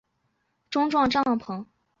每个小队在露营时使用钟状帐篷。